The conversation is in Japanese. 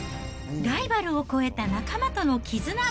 ライバルを超えた仲間との絆。